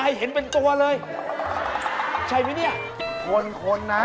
นี่เห็นอย่างงี้วัยรุ่นนะ